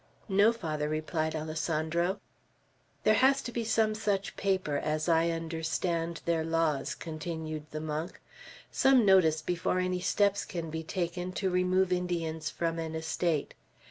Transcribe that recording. "No, Father," replied Alessandro. "There has to be some such paper, as I understand their laws," continued the monk; "some notice, before any steps can be taken to remove Indians from an estate.